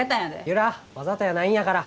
由良わざとやないんやから。